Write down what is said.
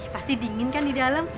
pasti dingin kan di dalam